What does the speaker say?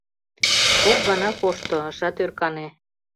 Кок гана кошто — ышат ӧркане.